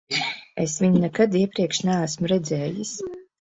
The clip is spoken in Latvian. Es viņu nekad iepriekš neesmu redzējis.